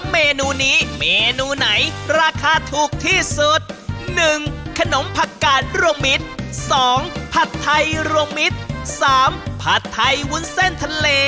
เมนูนี้เมนูไหนราคาถูกที่สุด๑ขนมผักกาดรวมมิตร๒ผัดไทยรวมมิตร๓ผัดไทยวุ้นเส้นทะเล